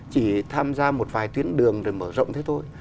chỉ tham gia một vài tuyến đường rồi mở rộng thế thôi